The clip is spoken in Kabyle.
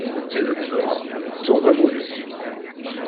D tidet dɣa, tettuḍ amulli-k?